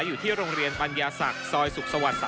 อยู่ที่โรงเรียนปัญญาศักดิ์ซอยสุขสวรรค์๓